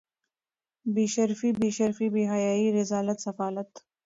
بې شرفي بې شرمي بې حیايي رذالت سفالت